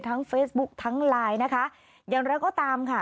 ทั้งเฟซบุ๊กทั้งไลน์นะคะอย่างนั้นก็ตามค่ะ